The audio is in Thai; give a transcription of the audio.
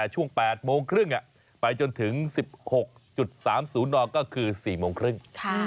ช่วง๘โมงครึ่งไปจนถึง๑๖๓๐นก็คือ๔โมงครึ่ง